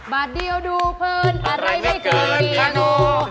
บาทเดียวดูเพิ่มอะไรไม่เกินแกโน